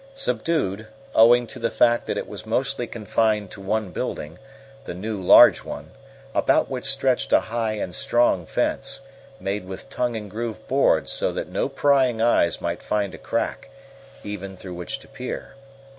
Subdued, owing to the fact that it was mostly confined to one building the new, large one, about which stretched a high and strong fence, made with tongue and groove boards so that no prying eyes might find a crack, even, through which to peer.